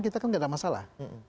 kita kan tidak ada masalah